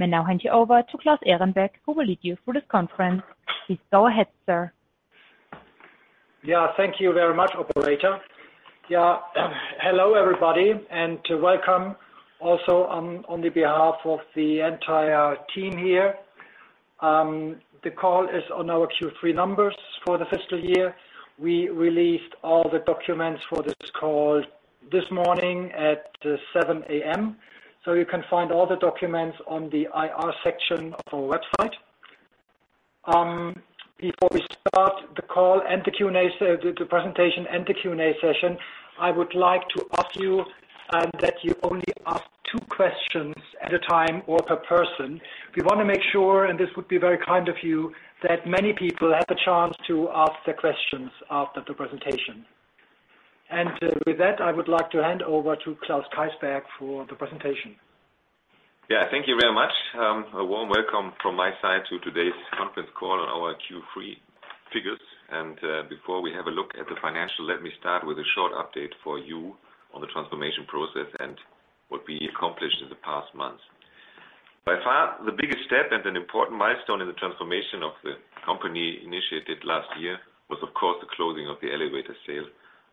May I now hand you over to Claus Ehrenbeck, who will lead you through this conference. Please go ahead, sir. Yeah, thank you very much, Operator. Yeah, hello everybody, and welcome also on behalf of the entire team here. The call is on our Q3 numbers for the fiscal year. We released all the documents for this call this morning at 7:00 A.M., so you can find all the documents on the IR section of our website. Before we start the call and the presentation and the Q&A session, I would like to ask you that you only ask two questions at a time or per person. We want to make sure, and this would be very kind of you, that many people have a chance to ask the questions after the presentation. And with that, I would like to hand over to Klaus Keysberg for the presentation. Yeah, thank you very much. A warm welcome from my side to today's conference call on our Q3 figures. And before we have a look at the financial, let me start with a short update for you on the transformation process and what we accomplished in the past months. By far, the biggest step and an important milestone in the transformation of the company initiated last year was, of course, the closing of the elevator sale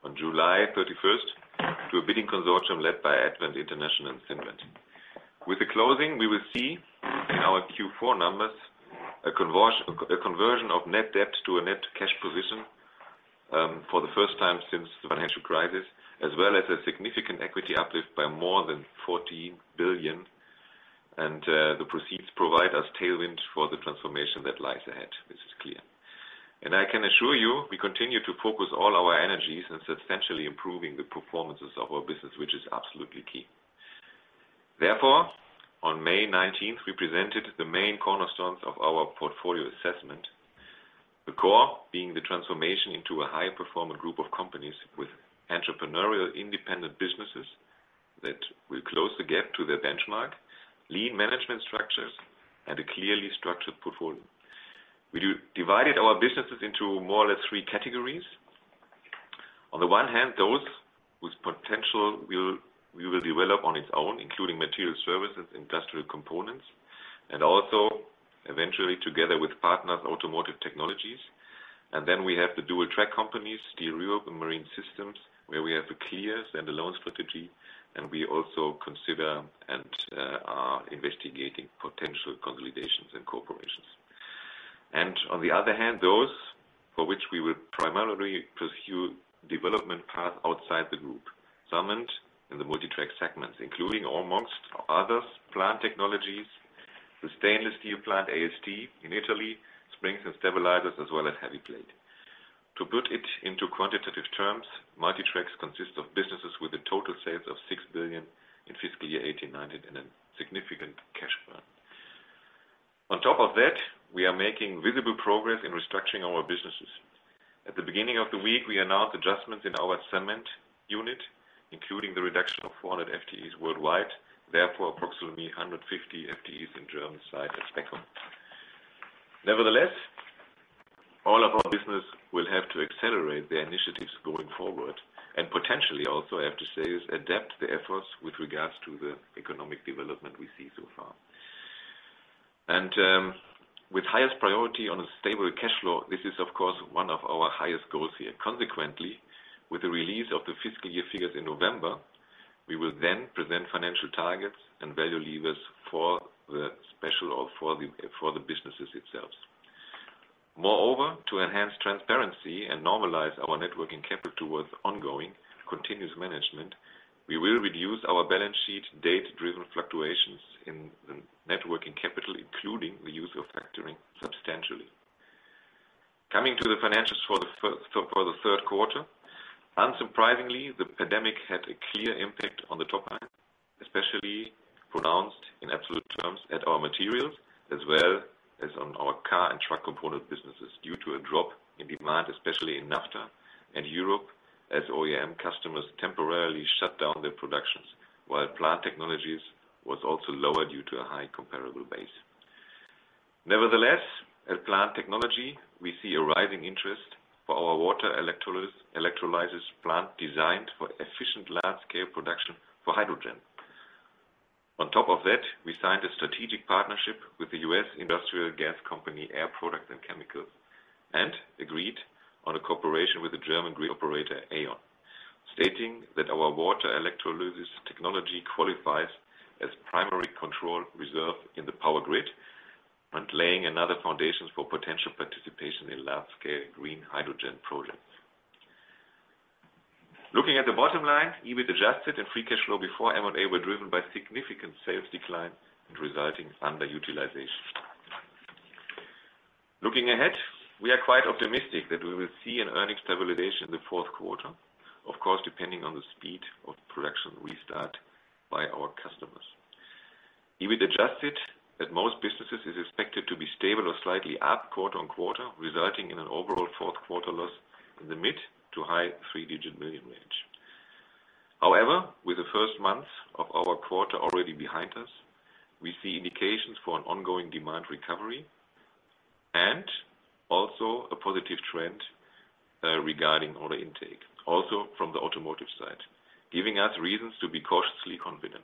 on July 31st to a bidding consortium led by Advent International and Cinven. With the closing, we will see in our Q4 numbers a conversion of net debt to a net cash position for the first time since the financial crisis, as well as a significant equity uplift by more than 14 billion. And the proceeds provide us tailwind for the transformation that lies ahead, which is clear. And I can assure you, we continue to focus all our energies in substantially improving the performances of our business, which is absolutely key. Therefore, on May 19th, we presented the main cornerstones of our portfolio assessment, the core being the transformation into a high-performing group of companies with entrepreneurial independent businesses that will close the gap to their benchmark, lean management structures, and a clearly structured portfolio. We divided our businesses into more or less three categories. On the one hand, those with potential we will develop on its own, including Material Services, Industrial Components, and also eventually, together with partners, Automotive Technologies. And then we have the dual-track companies, Steel Europe and Marine Systems, where we have a clear standalone strategy, and we also consider and are investigating potential consolidations and corporations. And on the other hand, those for which we will primarily pursue development paths outside the group. Summed up in the Multi-Track segments, including amongst others, Plant Technologies, the stainless steel plant AST in Italy, Springs and Stabilizers, as well as Heavy Plate. To put it into quantitative terms, Multi-Tracks consist of businesses with total sales of 6 billion in fiscal year 2020 and a significant cash burn. On top of that, we are making visible progress in restructuring our businesses. At the beginning of the week, we announced adjustments in our cement unit, including the reduction of 400 FTEs worldwide, therefore approximately 150 FTEs in Germany at Beckum. Nevertheless, all of our business will have to accelerate their initiatives going forward and potentially also, I have to say, adapt the efforts with regards to the economic development we see so far. With highest priority on a stable cash flow, this is, of course, one of our highest goals here. Consequently, with the release of the fiscal year figures in November, we will then present financial targets and value levers for the special or for the businesses itself. Moreover, to enhance transparency and normalize our net working capital towards ongoing continuous management, we will reduce our balance sheet data-driven fluctuations in the net working capital, including the use of factoring substantially. Coming to the financials for the third quarter, unsurprisingly, the pandemic had a clear impact on the top line, especially pronounced in absolute terms at our materials, as well as on our car and truck component businesses due to a drop in demand, especially in NAFTA and Europe, as OEM customers temporarily shut down their productions, while Plant Technologies were also lower due to a high comparable base. Nevertheless, at Plant Technology, we see a rising interest for our water electrolysis plant designed for efficient large-scale production for hydrogen. On top of that, we signed a strategic partnership with the U.S. industrial gas company Air Products and Chemicals and agreed on a cooperation with the German grid operator E.ON, stating that our water electrolysis technology qualifies as primary control reserve in the power grid and laying another foundation for potential participation in large-scale green hydrogen projects. Looking at the bottom line, EBIT Adjusted and free cash flow before M&A were driven by significant sales decline and resulting underutilization. Looking ahead, we are quite optimistic that we will see an earnings stabilization in the fourth quarter, of course, depending on the speed of production restart by our customers. EBIT adjusted at most businesses is expected to be stable or slightly up quarter on quarter, resulting in an overall fourth quarter loss in the mid- to high three-digit million range. However, with the first months of our quarter already behind us, we see indications for an ongoing demand recovery and also a positive trend regarding order intake, also from the automotive side, giving us reasons to be cautiously confident.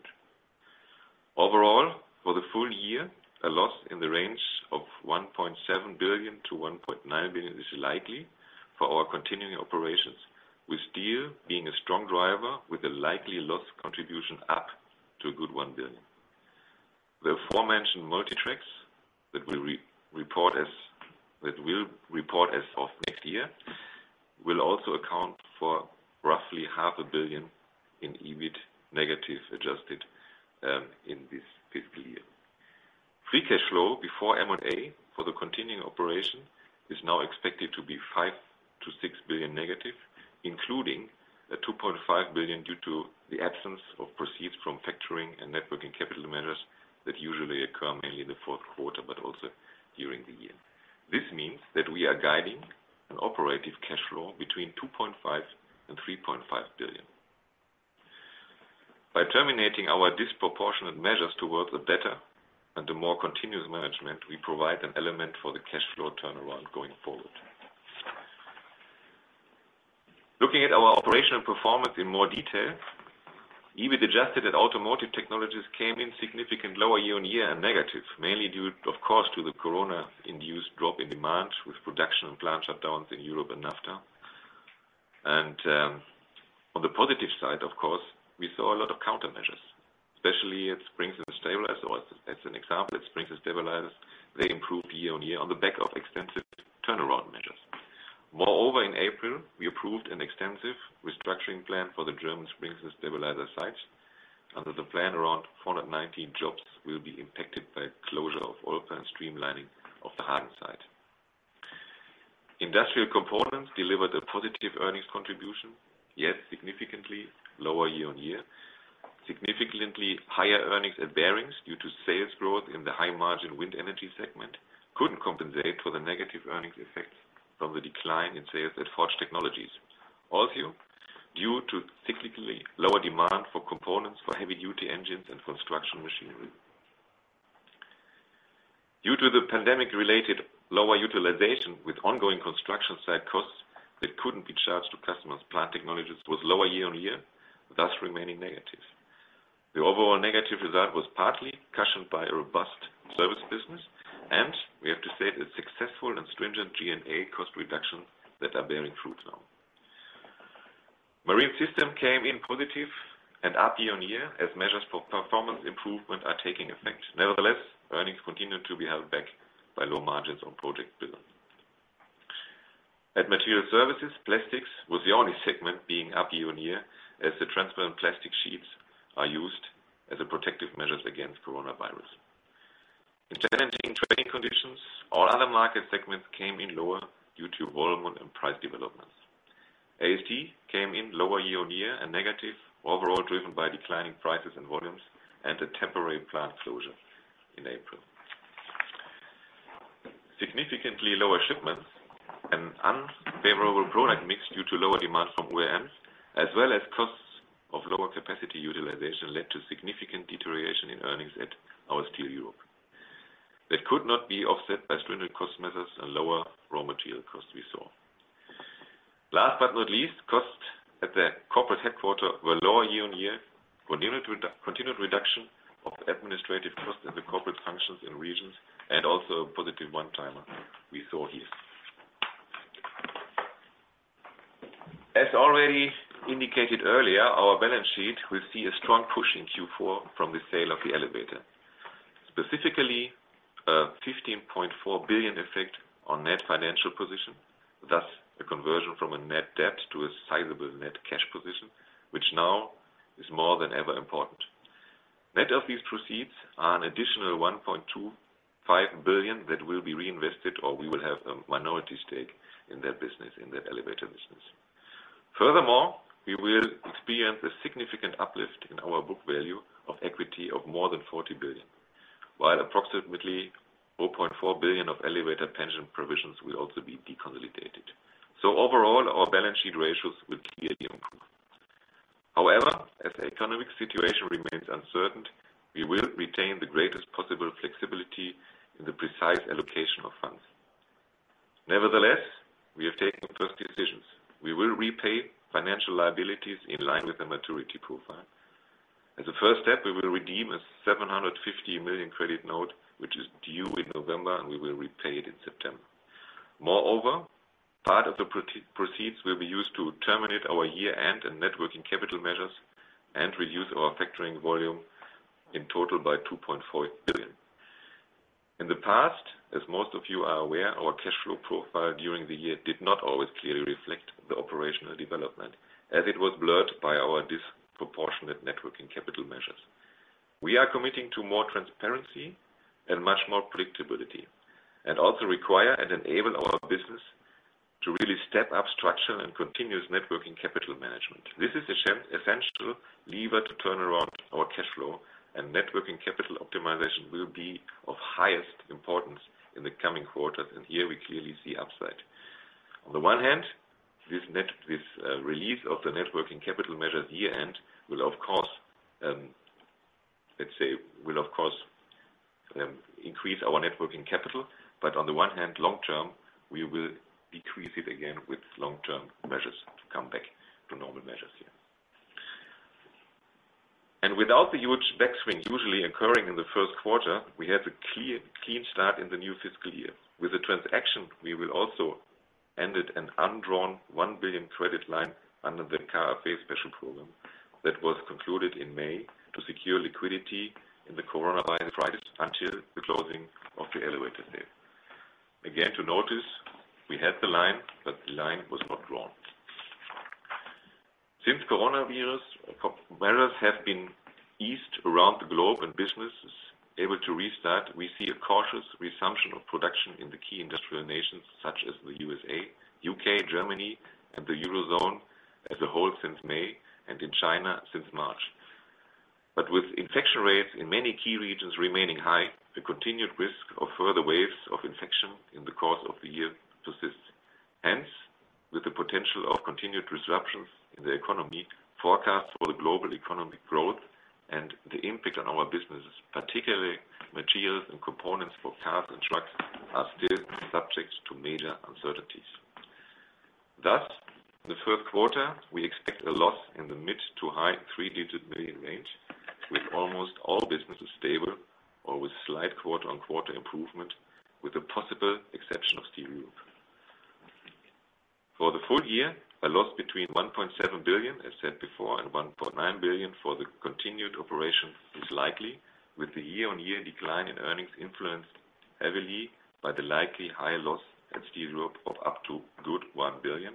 Overall, for the full year, a loss in the range of 1.7 billion-1.9 billion is likely for our continuing operations, with steel being a strong driver with a likely loss contribution up to a good 1 billion. The aforementioned Multi Tracks that we report as of next year will also account for roughly 500 million in EBIT negative adjusted in this fiscal year. Free cash flow before M&A for the continuing operation is now expected to be negative 5 billion to 6 billion, including 2.5 billion due to the absence of proceeds from factoring and net working capital measures that usually occur mainly in the fourth quarter, but also during the year. This means that we are guiding an operative cash flow between 2.5 billion and 3.5 billion. By terminating our disproportionate measures towards the better and the more continuous management, we provide an element for the cash flow turnaround going forward. Looking at our operational performance in more detail, EBIT adjusted at Automotive Technologies came in significantly lower year on year and negative, mainly due, of course, to the corona-induced drop in demand with production and plant shutdowns in Europe and NAFTA. On the positive side, of course, we saw a lot of countermeasures, especially at Springs and Stabilizers. As an example, at Springs and Stabilizers, they improved year on year on the back of extensive turnaround measures. Moreover, in April, we approved an extensive restructuring plan for the German Springs and Stabilizer sites. Under the plan, around 419 jobs will be impacted by closure of Olpe and streamlining of the Hagen site. Industrial Components delivered a positive earnings contribution, yet significantly lower year on year. Significantly higher earnings at Bearings due to sales growth in the high-margin wind energy segment couldn't compensate for the negative earnings effects from the decline in sales at Forged Technologies, also due to cyclically lower demand for components for heavy-duty engines and construction machinery. Due to the pandemic-related lower utilization with ongoing construction site costs that couldn't be charged to customers, Plant Technology was lower year on year, thus remaining negative. The overall negative result was partly cushioned by a robust service business, and we have to say the successful and stringent G&A cost reductions that are bearing fruit now. Marine Systems came in positive and up year on year as measures for performance improvement are taking effect. Nevertheless, earnings continue to be held back by low margins on project bills. At Material Services, Plastics was the only segment being up year on year as the transparent plastic sheets are used as protective measures against coronavirus. In challenging trading conditions, all other market segments came in lower due to volume and price developments. AST came in lower year on year and negative, overall driven by declining prices and volumes and a temporary plant closure in April. Significantly lower shipments and unfavorable product mix due to lower demand from OEMs, as well as costs of lower capacity utilization, led to significant deterioration in earnings at our Steel Europe. That could not be offset by stringent cost measures and lower raw material costs we saw. Last but not least, costs at the corporate headquarters were lower year on year for continued reduction of administrative costs in the corporate functions in regions and also a positive one-timer we saw here. As already indicated earlier, our balance sheet will see a strong push in Q4 from the sale of the elevator, specifically a 15.4 billion effect on net financial position, thus a conversion from a net debt to a sizable net cash position, which now is more than ever important. Net of these proceeds are an additional 1.25 billion that will be reinvested or we will have a minority stake in that business, in that elevator business. Furthermore, we will experience a significant uplift in our book value of equity of more than 40 billion, while approximately 0.4 billion of elevator pension provisions will also be deconsolidated. So overall, our balance sheet ratios will clearly improve. However, as the economic situation remains uncertain, we will retain the greatest possible flexibility in the precise allocation of funds. Nevertheless, we have taken first decisions. We will repay financial liabilities in line with the maturity profile. As a first step, we will redeem a 750 million credit note, which is due in November, and we will repay it in September. Moreover, part of the proceeds will be used to terminate our year-end and net working capital measures and reduce our factoring volume in total by 2.4 billion. In the past, as most of you are aware, our cash flow profile during the year did not always clearly reflect the operational development, as it was blurred by our disproportionate net working capital measures. We are committing to more transparency and much more predictability and also require and enable our business to really step up structure and continuous net working capital management. This is an essential lever to turn around our cash flow, and net working capital optimization will be of highest importance in the coming quarters, and here we clearly see upside. On the one hand, this release of the net working capital measures year-end will, of course, increase our net working capital, but on the one hand, long-term, we will decrease it again with long-term measures to come back to normal measures here. Without the huge backswing usually occurring in the first quarter, we had a clean start in the new fiscal year. With the transaction, we will also end with an undrawn 1 billion credit line under the KfW special program that was concluded in May to secure liquidity in the coronavirus crisis until the closing of the elevator sale. Again, to note, we had the line, but the line was not drawn. Since coronavirus measures have been eased around the globe and businesses able to restart, we see a cautious resumption of production in the key industrial nations such as the USA, U.K., Germany, and the Eurozone as a whole since May, and in China since March. But with infection rates in many key regions remaining high, the continued risk of further waves of infection in the course of the year persists. Hence, with the potential of continued disruptions in the economy, forecasts for the global economic growth and the impact on our businesses, particularly materials and components for cars and trucks, are still subject to major uncertainties. Thus, in the first quarter, we expect a loss in the mid- to high three-digit million range, with almost all businesses stable or with slight quarter-on-quarter improvement, with the possible exception of Steel Europe. For the full year, a loss between 1.7 billion, as said before, and 1.9 billion for the continued operations is likely, with the year-on-year decline in earnings influenced heavily by the likely higher loss at Steel Europe of up to good 1 billion,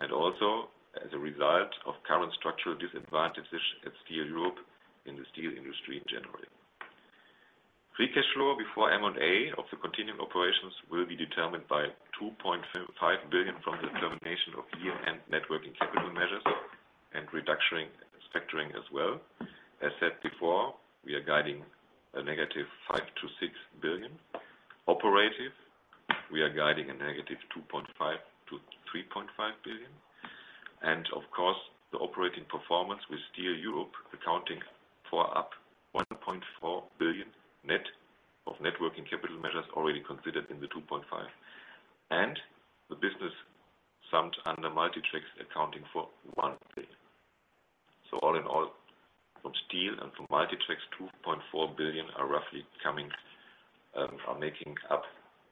and also as a result of current structural disadvantages at Steel Europe in the steel industry in general. Free cash flow before M&A of the continuing operations will be determined by 2.5 billion from the termination of year-end networking capital measures and reduction in factoring as well. As said before, we are guiding a negative 5-6 billion. Operative, we are guiding a negative 2.5-3.5 billion. Of course, the operating performance with Steel Europe accounting for up 1.4 billion net of networking capital measures already considered in the 2.5. The business summed under Multi Tracks accounting for 1 billion. All in all, from steel and from Multi-Tracks, 2.4 billion are roughly coming, making up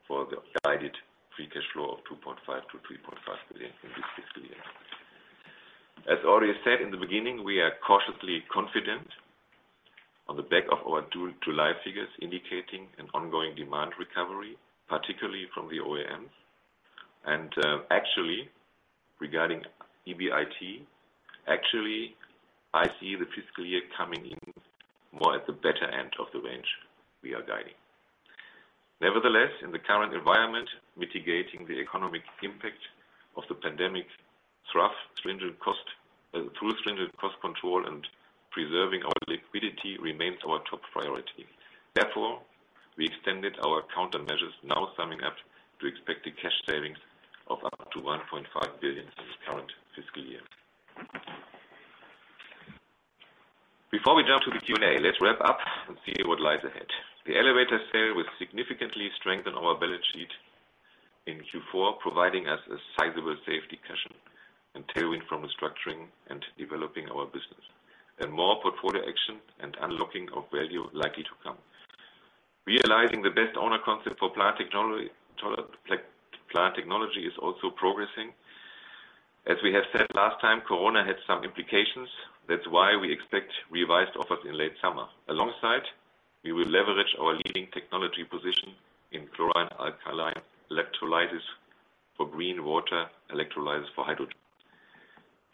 for the guided free cash flow of 2.5-3.5 billion in this fiscal year. As already said in the beginning, we are cautiously confident on the back of our July figures indicating an ongoing demand recovery, particularly from the OEMs. Actually, regarding EBIT, actually, I see the fiscal year coming in more at the better end of the range we are guiding. Nevertheless, in the current environment, mitigating the economic impact of the pandemic through stringent cost control and preserving our liquidity remains our top priority. Therefore, we extended our countermeasures, now summing up to expect the cash savings of up to 1.5 billion in the current fiscal year. Before we jump to the Q&A, let's wrap up and see what lies ahead. The elevator sale will significantly strengthen our balance sheet in Q4, providing us a sizable safety cushion and tailwind from restructuring and developing our business, and more portfolio action and unlocking of value likely to come. Realizing the best owner concept for plant technology is also progressing. As we have said last time, corona had some implications. That's why we expect revised offers in late summer. Alongside, we will leverage our leading technology position in chlorine alkaline electrolytes for green water electrolytes for hydrogen.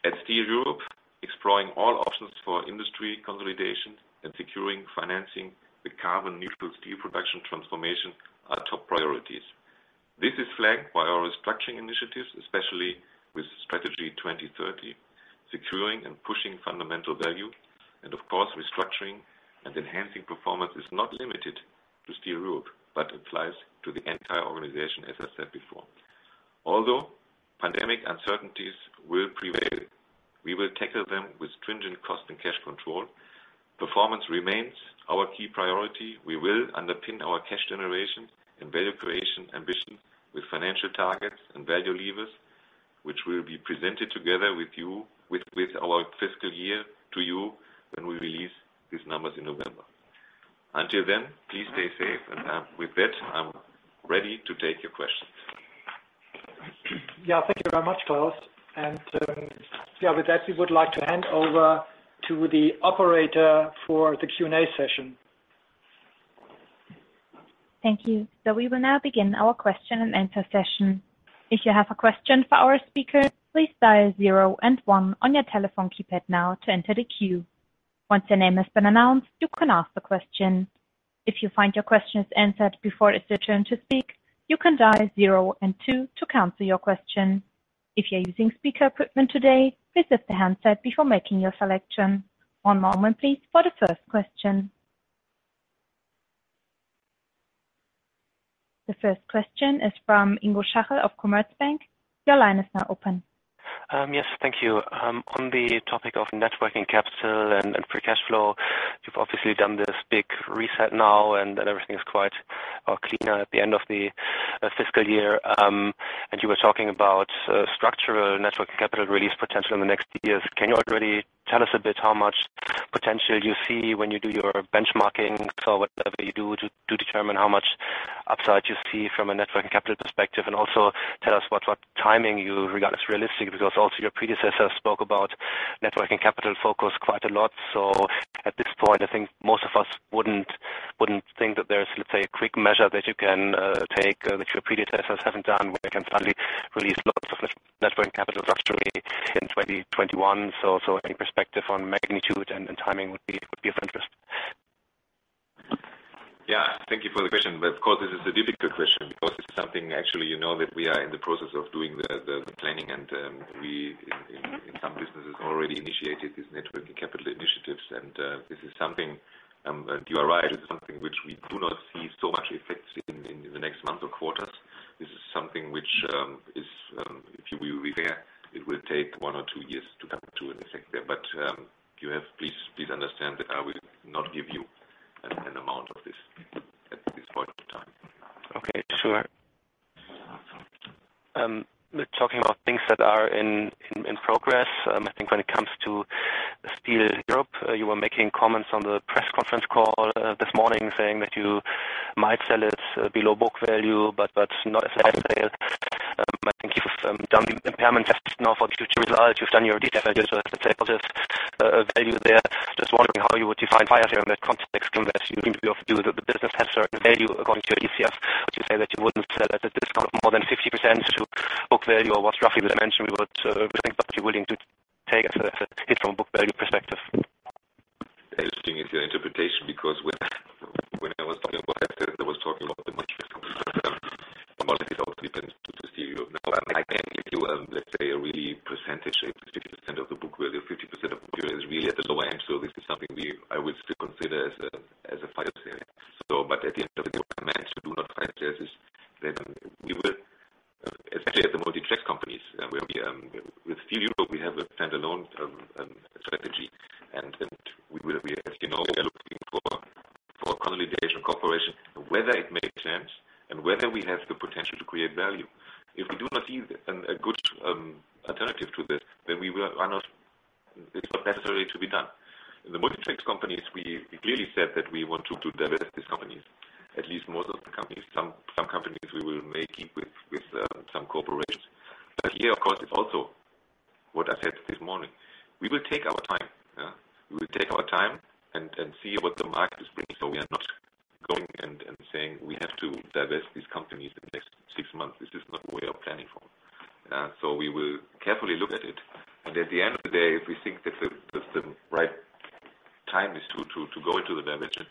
At Steel Europe, exploring all options for industry consolidation and securing financing with carbon-neutral steel production transformation are top priorities. This is flanked by our restructuring initiatives, especially with Strategy 20-30, securing and pushing fundamental value, and of course, restructuring and enhancing performance is not limited to Steel Europe, but applies to the entire organization, as I said before. Although pandemic uncertainties will prevail, we will tackle them with stringent cost and cash control. Performance remains our key priority. We will underpin our cash generation and value creation ambition with financial targets and value levers, which will be presented together with you with our fiscal year to you when we release these numbers in November. Until then, please stay safe. And with that, I'm ready to take your questions. Yeah, thank you very much, Klaus. And yeah, with that, we would like to hand over to the operator for the Q&A session. Thank you. So we will now begin our question and answer session. If you have a question for our speakers, please dial zero and one on your telephone keypad now to enter the queue. Once your name has been announced, you can ask the question. If you find your question is answered before it's your turn to speak, you can dial zero and two to counter your question. If you're using speaker equipment today, please lift the handset before making your selection. One moment, please, for the first question. The first question is from Ingo Schachel of Commerzbank. Your line is now open. Yes, thank you. On the topic of networking capital and free cash flow, you've obviously done this big reset now, and everything is quite cleaner at the end of the fiscal year. And you were talking about structural networking capital release potential in the next years. Can you already tell us a bit how much potential you see when you do your benchmarking for whatever you do to determine how much upside you see from a networking capital perspective? Also tell us what timing you regard as realistic, because also your predecessors spoke about net working capital focus quite a lot. At this point, I think most of us wouldn't think that there's, let's say, a quick measure that you can take that your predecessors haven't done, where you can suddenly release lots of net working capital structurally in 2021. Any perspective on magnitude and timing would be of interest. Yeah, thank you for the question. Of course, this is a difficult question because it's something, actually, you know, that we are in the process of doing the planning, and we, in some businesses, already initiated these net working capital initiatives. This is something you are right. It's something which we do not see so much effect in the next month or quarters. This is something which is, if you will, be fair. It will take one or two years to come to an effect there. But please understand that I will not give you an amount of this at this point in time. Okay, sure. Talking about things that are in progress, I think when it comes to Steel Europe, you were making comments on the press conference call this morning saying that you might sell it below book value, but not as a sale. I think you've done the impairment test now for future results. You've done your detailed analysis, let's say, of value there. Just wondering how you would define fire sale in that context given that you're doing the business has certain value according to your ECF. Would you say that you wouldn't sell at a discount of more than 50% to book value or what roughly the dimension we would think that you're willing to take as a hit from a book value perspective? It's a different interpretation because when I was talking about that, I was talking about the money that also depends on Steel Europe. Now, I can give you, let's say, a really percentage of 50% of the book value. 50% of the book value is really at the lower end, so this is something I would still consider as a fire sale. But at the end of the day, what I meant to do not fire sales is then we will, especially at the Multi Tracks companies, with Steel Europe, we have a standalone strategy. And as you know, we are looking for consolidation cooperation. Whether it makes sense and whether we have the potential to create value. If we do not see a good alternative to this, then we will run off. It's not necessary to be done. In the Multi-Track companies, we clearly said that we want to divest these companies, at least most of the companies. Some companies we will make it with some corporations. But here, of course, it's also what I said this morning. We will take our time. We will take our time and see what the market is bringing. So we are not going and saying we have to divest these companies in the next six months. This is not the way of planning for. So we will carefully look at it. And at the end of the day, if we think that the right time is to go into the direction,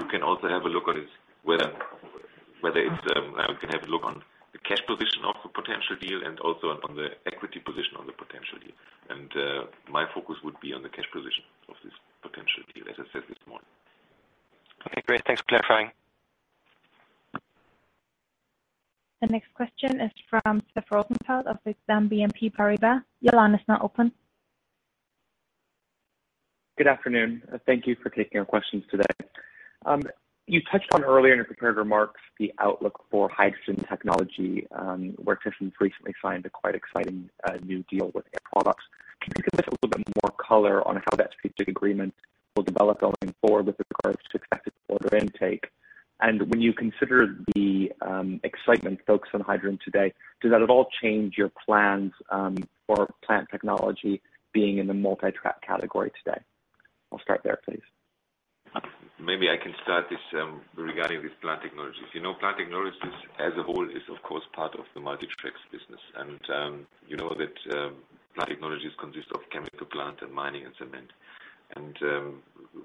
we can also have a look at whether it's on the cash position of the potential deal and also on the equity position on the potential deal. And my focus would be on the cash position of this potential deal, as I said this morning. Okay, great. Thanks for clarifying. The next question is from Seth Rosenfeld of Exane BNP Paribas. Your line is now open. Good afternoon. Thank you for taking our questions today. You touched on earlier in your prepared remarks the outlook for Hydrogen Technology where thyssenkrupp's recently signed a quite exciting new deal with Air Products. Can you give us a little bit more color on how that strategic agreement will develop going forward with regards to expected order intake? When you consider the excitement folks on Hydrogen today, does that at all change your plans for plant technology being in the Multi-Track category today? I'll start there, please. Maybe I can start this regarding this plant technology. If you know, Plant Technologies as a whole is, of course, part of the Multi-Track business. And you know that Plant Technologies consist of chemical plant and mining and cement. And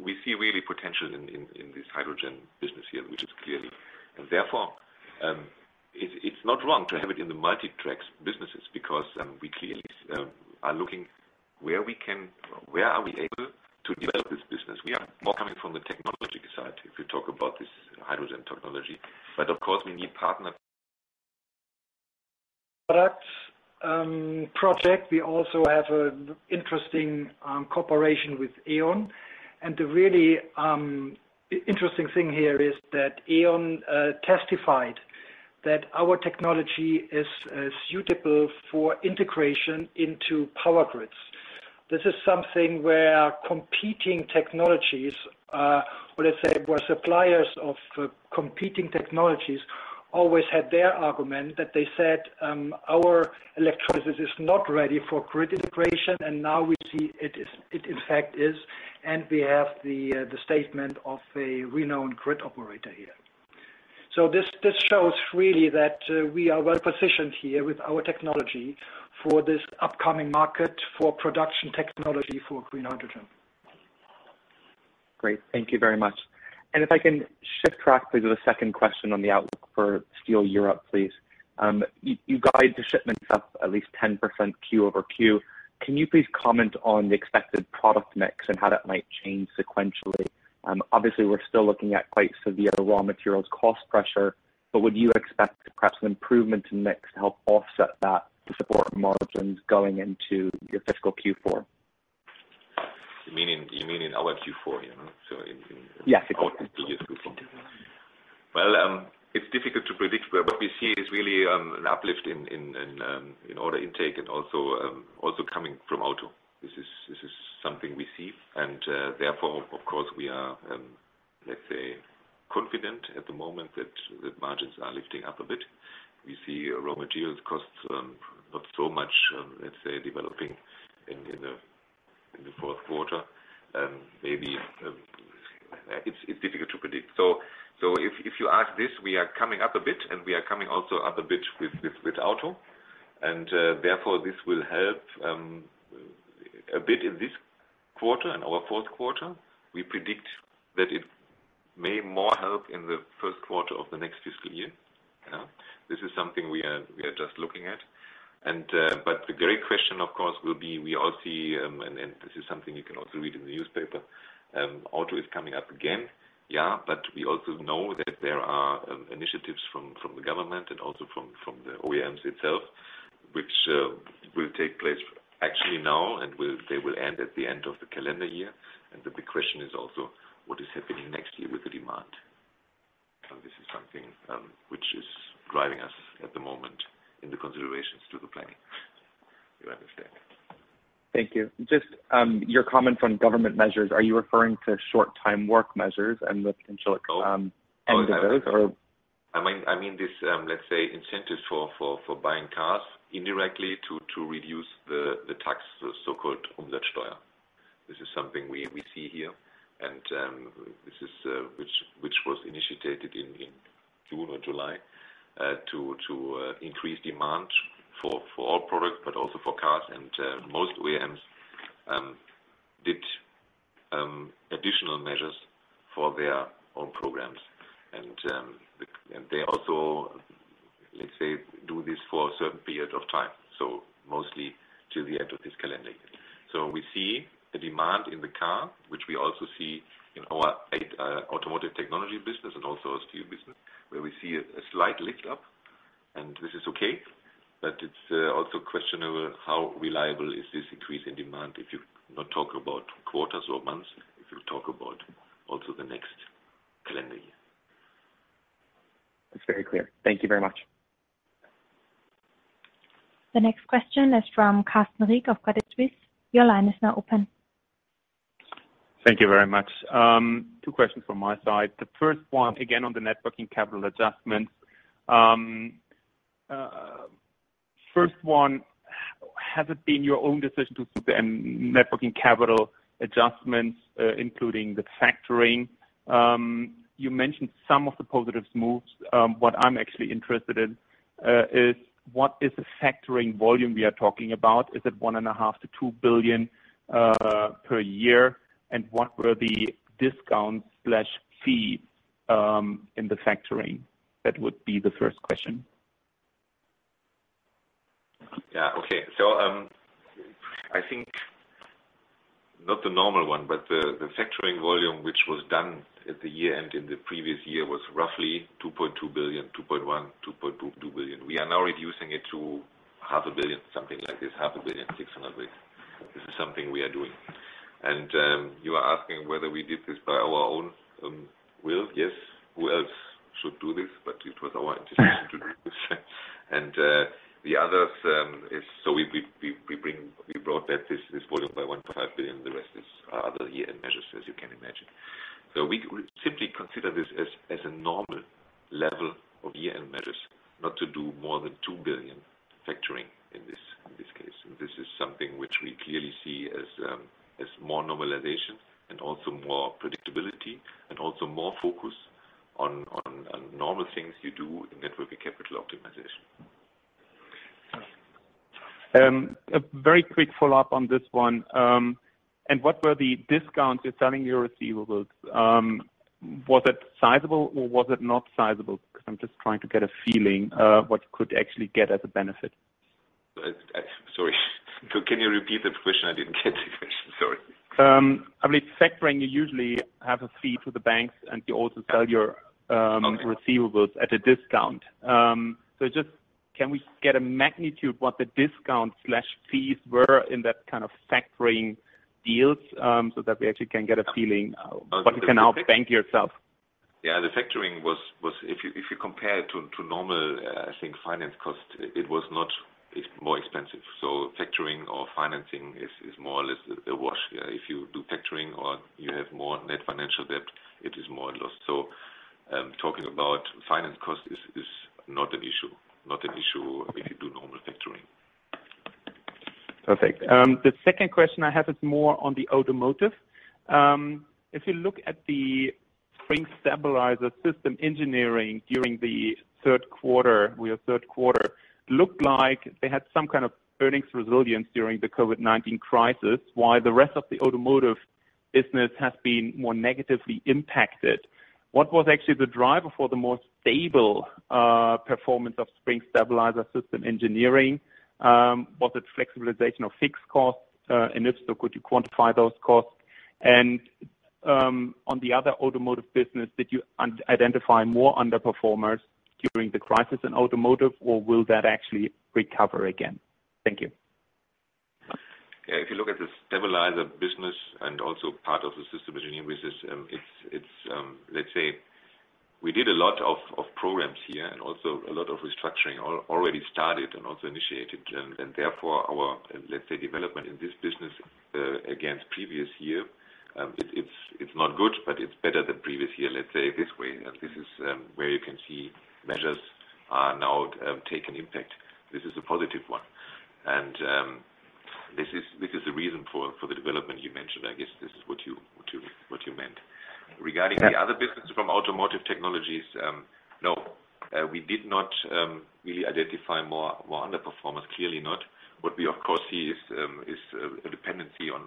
we see really potential in this hydrogen business here, which is clearly. And therefore, it's not wrong to have it in the Multi-Track businesses because we clearly are looking where we can, where are we able to develop this business. We are more coming from the technology side if you talk about this hydrogen technology. But of course, we need partners. Product project. We also have an interesting cooperation with E.ON. The really interesting thing here is that E.ON testified that our technology is suitable for integration into power grids. This is something where competing technologies, or let's say, were suppliers of competing technologies, always had their argument that they said, "Our electrolysis is not ready for grid integration," and now we see it in fact is. And we have the statement of a renowned grid operator here. So this shows really that we are well positioned here with our technology for this upcoming market for production technology for green hydrogen. Great. Thank you very much. And if I can shift track, please, with a second question on the outlook for Steel Europe, please. You guide the shipments up at least 10% Q over Q. Can you please comment on the expected product mix and how that might change sequentially? Obviously, we're still looking at quite severe raw materials cost pressure, but would you expect perhaps an improvement in mix to help offset that to support margins going into your fiscal Q4? You mean in our Q4, you know? So in our previous Q4. Well, it's difficult to predict, but what we see is really an uplift in order intake and also coming from auto. This is something we see. And therefore, of course, we are, let's say, confident at the moment that margins are lifting up a bit. We see raw materials costs not so much, let's say, developing in the fourth quarter. Maybe it's difficult to predict. So if you ask this, we are coming up a bit, and we are coming also up a bit with auto. And therefore, this will help a bit in this quarter and our fourth quarter. We predict that it may more help in the first quarter of the next fiscal year. This is something we are just looking at, but the great question, of course, will be we all see, and this is something you can also read in the newspaper: auto is coming up again. Yeah, but we also know that there are initiatives from the government and also from the OEMs itself, which will take place actually now, and they will end at the end of the calendar year, and the big question is also what is happening next year with the demand. This is something which is driving us at the moment in the considerations to the planning. You understand? Thank you. Just your comment on government measures: are you referring to short-time work measures and the potential end of those or? I mean this, let's say, incentives for buying cars indirectly to reduce the tax, the so-called Umsatzsteuer. This is something we see here. And this is which was initiated in June or July to increase demand for all products, but also for cars. And most OEMs did additional measures for their own programs. And they also, let's say, do this for a certain period of time, so mostly till the end of this calendar year. So we see the demand in the car, which we also see in our automotive technology business and also steel business, where we see a slight lift up. And this is okay, but it's also questionable how reliable is this increase in demand if you're not talking about quarters or months, if you're talking about also the next calendar year. That's very clear. Thank you very much. The next question is from Carsten Rieck of Credit Suisse. Your line is now open. Thank you very much. Two questions from my side. The first one, again on the net working capital adjustments. First one, has it been your own decision to do the net working capital adjustments, including the factoring? You mentioned some of the positives moved. What I'm actually interested in is what is the factoring volume we are talking about? Is it 1.5-2 billion per year? And what were the discounts/fees in the factoring? That would be the first question. Yeah, okay. So I think not the normal one, but the factoring volume, which was done at the year-end in the previous year, was roughly 2.1-2.2 billion. We are now reducing it to 500 million, something like this, 500 million, 600 million. This is something we are doing. And you are asking whether we did this by our own will? Yes. Who else should do this? But it was our decision to do this. And the others is so we brought back this volume by 1.5 billion. The rest is other year-end measures, as you can imagine. So we simply consider this as a normal level of year-end measures, not to do more than 2 billion factoring in this case. And this is something which we clearly see as more normalization and also more predictability and also more focus on normal things you do in net working capital optimization. A very quick follow-up on this one. And what were the discounts you're selling your receivables? Was it sizable or was it not sizable? Because I'm just trying to get a feeling what you could actually get as a benefit. Sorry. So can you repeat the question? I didn't get the question. Sorry. I believe factoring, you usually have a fee to the banks, and you also sell your receivables at a discount. So just can we get a magnitude what the discounts/fees were in that kind of factoring deals so that we actually can get a feeling what you can now bank yourself? Yeah, the factoring was, if you compare it to normal, I think, finance cost. It was not more expensive. So factoring or financing is more or less a wash. If you do factoring or you have more net financial debt, it is more a loss. So talking about finance cost is not an issue, not an issue if you do normal factoring. Perfect. The second question I have is more on the automotive. If you look at the Springs and Stabilizers, System Engineering during the third quarter, looked like they had some kind of earnings resilience during the COVID-19 crisis, while the rest of the automotive business has been more negatively impacted. What was actually the driver for the more stable performance of Springs and Stabilizers, System Engineering? Was it flexibilization of fixed costs? And if so, could you quantify those costs? And on the other automotive business, did you identify more underperformers during the crisis in automotive, or will that actually recover again? Thank you. If you look at the Stabilizers business and also part of the System Engineering business, it's, let's say, we did a lot of programs here and also a lot of restructuring already started and also initiated. And therefore, our, let's say, development in this business against previous year, it's not good, but it's better than previous year, let's say, this way. And this is where you can see measures are now taking impact. This is a positive one. And this is the reason for the development you mentioned. I guess this is what you meant. Regarding the other business from Automotive Technologies, no. We did not really identify more underperformers, clearly not. What we, of course, see is a dependency on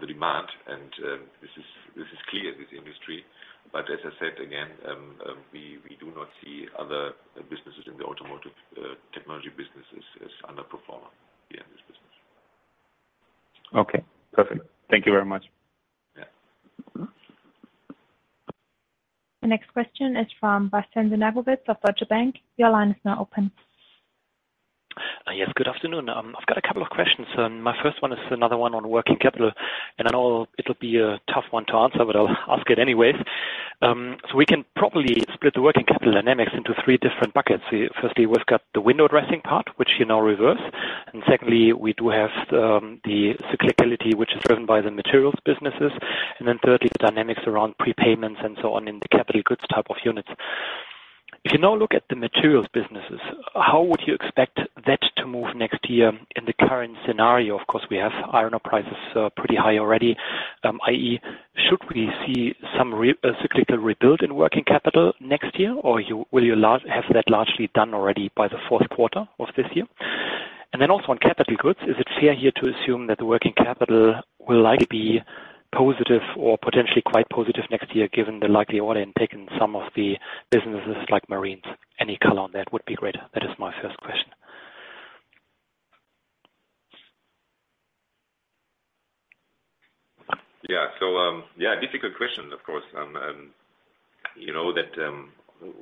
the demand. And this is clear in this industry. But as I said, again, we do not see other businesses in the Automotive Technologies business as underperformer here in this business. Okay. Perfect. Thank you very much. The next question is from Bastian Synagowitz of Deutsche Bank. Your line is now open. Yes, good afternoon. I've got a couple of questions. My first one is another one on working capital. And I know it'll be a tough one to answer, but I'll ask it anyways. So we can probably split the working capital dynamics into three different buckets. Firstly, we've got the window dressing part, which you now reverse. And secondly, we do have the cyclicality, which is driven by the materials businesses. And then thirdly, the dynamics around prepayments and so on in the capital goods type of units. If you now look at the materials businesses, how would you expect that to move next year in the current scenario? Of course, we have iron ore prices pretty high already. i.e., should we see some cyclical rebuild in working capital next year, or will you have that largely done already by the fourth quarter of this year? And then also on capital goods, is it fair here to assume that the working capital will likely be positive or potentially quite positive next year given the likely order intake in some of the businesses like Marine Systems? Any color on that would be great. That is my first question. Yeah. So yeah, difficult question, of course. You know that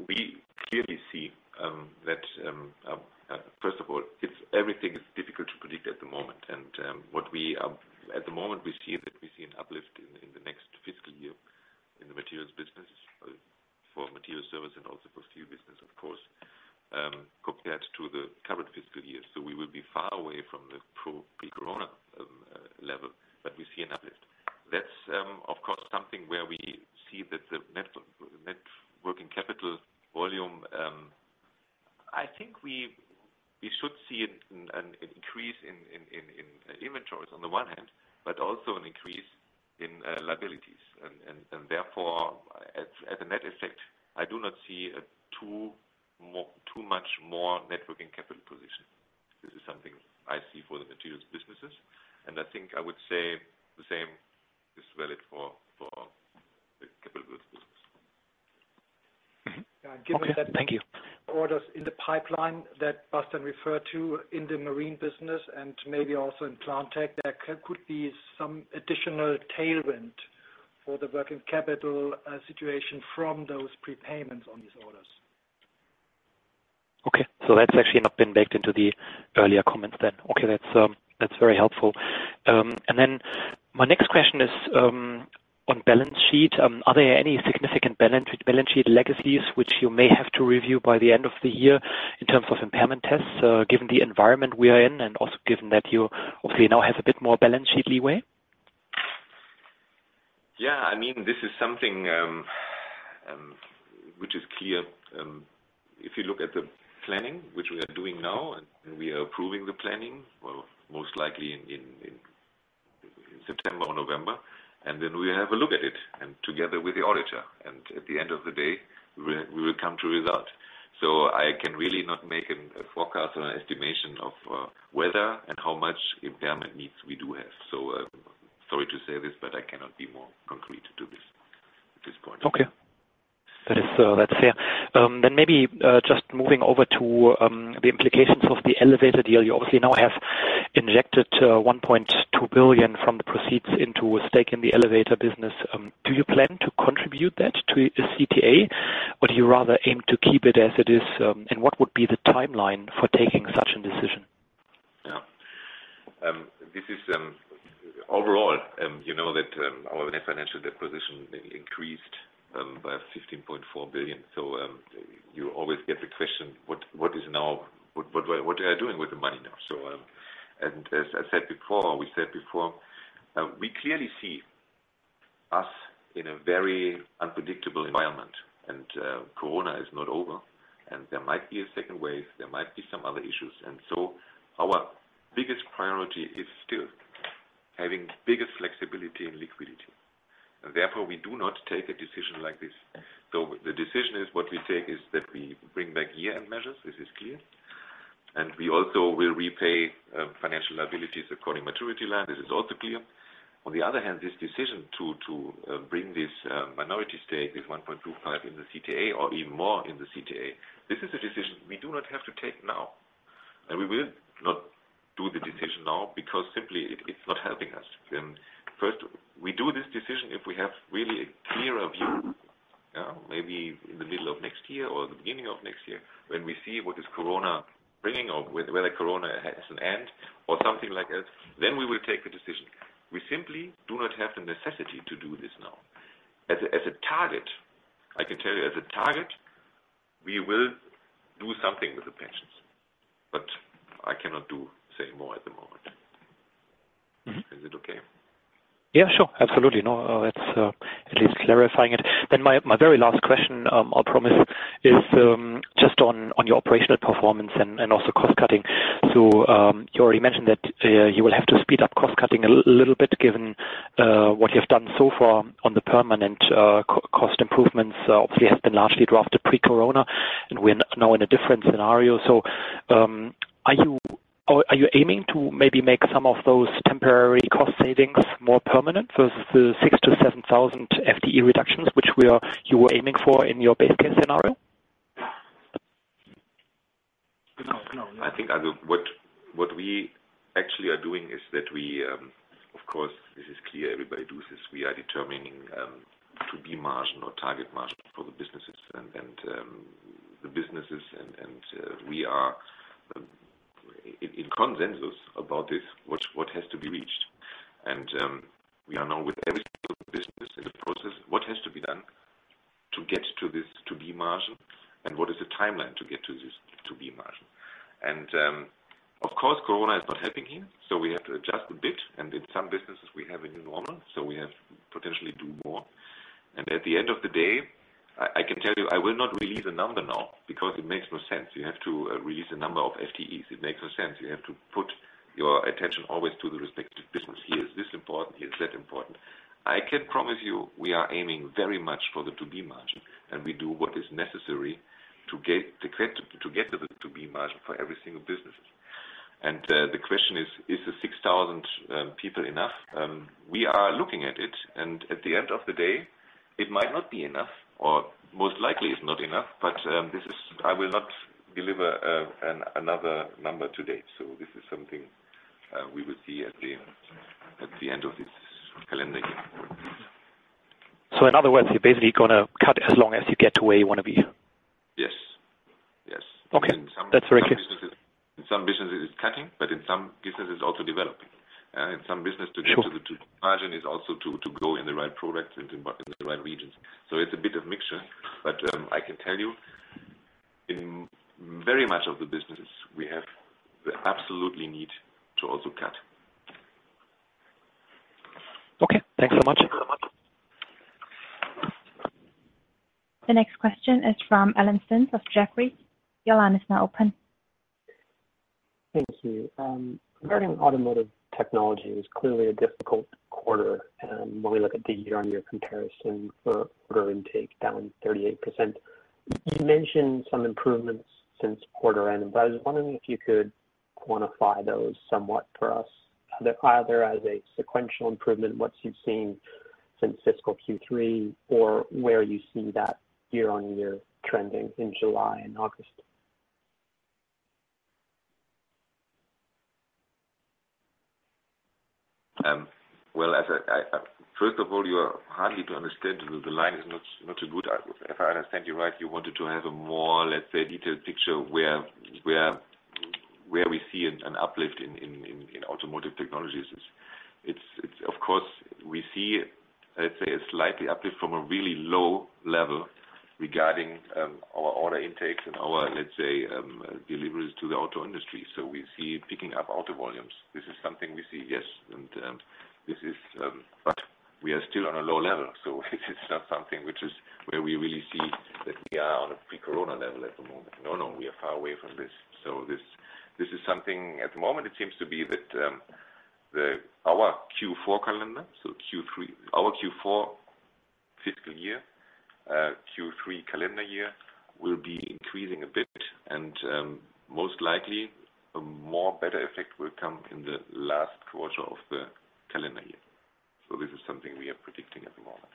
we clearly see that, first of all, everything is difficult to predict at the moment. At the moment, we see an uplift in the next fiscal year in the materials business for Materials Services and also for steel business, of course, compared to the current fiscal year. So we will be far away from the pre-Corona level, but we see an uplift. That's, of course, something where we see that the net working capital volume, I think we should see an increase in inventories on the one hand, but also an increase in liabilities. And therefore, as a net effect, I do not see too much more net working capital position. This is something I see for the materials businesses. And I think I would say the same is valid for the capital goods business. Thank you. Orders in the pipeline that Bastian referred to in the Marine business and maybe also in Plant Tech, there could be some additional tailwind for the working capital situation from those prepayments on these orders. Okay. So that's actually not been baked into the earlier comments then. Okay. That's very helpful. And then my next question is on balance sheet. Are there any significant balance sheet legacies which you may have to review by the end of the year in terms of impairment tests, given the environment we are in and also given that you obviously now have a bit more balance sheet leeway? Yeah. I mean, this is something which is clear. If you look at the planning, which we are doing now, and we are approving the planning, most likely in September or November, and then we have a look at it together with the auditor, and at the end of the day, we will come to a result, so I can really not make a forecast or an estimation of whether and how much impairment needs we do have, so sorry to say this, but I cannot be more concrete to this point. Okay. That's fair. Then maybe just moving over to the implications of the elevator deal. You obviously now have injected 1.2 billion from the proceeds into a stake in the elevator business. Do you plan to contribute that to CTA, or do you rather aim to keep it as it is? And what would be the timeline for taking such a decision? Yeah. This is overall, you know that our net financial position increased by 15.4 billion. So you always get the question, what is now what are you doing with the money now? So, and as I said before, we said before, we clearly see us in a very unpredictable environment. And Corona is not over, and there might be a second wave. There might be some other issues. And so our biggest priority is still having bigger flexibility and liquidity. And therefore, we do not take a decision like this. So the decision is what we take is that we bring back year-end measures. This is clear. And we also will repay financial liabilities according to maturity line. This is also clear. On the other hand, this decision to bring this minority stake, this 1.25 in the CTA, or even more in the CTA, this is a decision we do not have to take now. And we will not do the decision now because simply it's not helping us. First, we do this decision if we have really a clearer view, maybe in the middle of next year or the beginning of next year, when we see what is Corona bringing or whether Corona has an end or something like that, then we will take a decision. We simply do not have the necessity to do this now. As a target, I can tell you, we will do something with the pensions. But I cannot say more at the moment. Is it okay? Yeah, sure. Absolutely. No, that's at least clarifying it. Then my very last question, I'll promise, is just on your operational performance and also cost cutting. So you already mentioned that you will have to speed up cost cutting a little bit given what you've done so far on the permanent cost improvements. Obviously, it has been largely drafted pre-Corona, and we're now in a different scenario. So are you aiming to maybe make some of those temporary cost savings more permanent versus the six to seven thousand FTE reductions, which you were aiming for in your base case scenario? No, no. I think what we actually are doing is that we, of course, this is clear. Everybody does this. We are determining EBIT margin or target margin for the businesses. And the businesses, and we are in consensus about this, what has to be reached. And we are now with every single business in the process, what has to be done to get to this EBIT margin, and what is the timeline to get to this EBIT margin. And of course, Corona is not helping here, so we have to adjust a bit. And in some businesses, we have a new normal, so we have to potentially do more. And at the end of the day, I can tell you, I will not release a number now because it makes no sense. You have to release a number of FTEs. It makes no sense. You have to put your attention always to the respective business. Here is this important. Here is that important. I can promise you we are aiming very much for the to be margin, and we do what is necessary to get to the to be margin for every single business, and the question is, is the 6,000 people enough? We are looking at it, and at the end of the day, it might not be enough, or most likely it's not enough, but I will not deliver another number today, so this is something we will see at the end of this calendar year, so in other words, you're basically going to cut as long as you get to where you want to be? Yes. Yes. In some businesses, in some businesses, it's cutting, but in some businesses, it's also developing. In some business, to get to the to be margin is also to go in the right products and in the right regions. It's a bit of a mixture. But I can tell you, in very much of the businesses, we have the absolute need to also cut. Okay. Thanks so much. The next question is from Alan Spence of Jefferies. Your line is now open. Thank you. Regarding automotive technology, it was clearly a difficult quarter when we look at the year-on-year comparison for order intake, down 38%. You mentioned some improvements since quarter end, but I was wondering if you could quantify those somewhat for us, either as a sequential improvement, what you've seen since fiscal Q3, or where you see that year-on-year trending in July and August. Well, first of all, you're hard to understand. The line is not so good. If I understand you right, you wanted to have a more, let's say, detailed picture where we see an uplift in Automotive Technologies. Of course, we see, let's say, a slight uplift from a really low level regarding our order intakes and our, let's say, deliveries to the auto industry. So we see picking up auto volumes. This is something we see, yes. But we are still on a low level. So it's not something which is where we really see that we are on a pre-Corona level at the moment. No, no. We are far away from this. So this is something at the moment, it seems to be that our Q4 calendar, so our Q4 fiscal year, Q3 calendar year will be increasing a bit. And most likely, a more better effect will come in the last quarter of the calendar year. So this is something we are predicting at the moment.